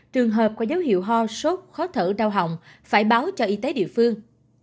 trường hợp có dấu hiệu ho sốt khó thở đau họng phải báo cho y tế địa phương